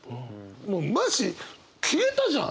もうマジ消えたじゃん。